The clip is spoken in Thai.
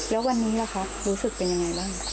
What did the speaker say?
แล้ววันนี้ล่ะครับรู้สึกเป็นยังไงบ้าง